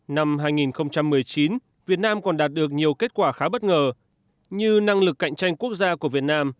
năm hai nghìn một mươi chín việt nam còn đạt được nhiều kết quả khá bất ngờ như năng lực cạnh tranh quốc gia của việt nam